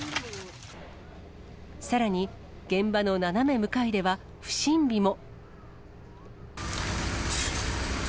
さらに、現場の斜め向かいでは不審火も。